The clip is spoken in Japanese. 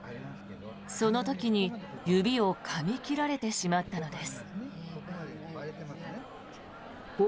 その時に指をかみ切られてしまったのです。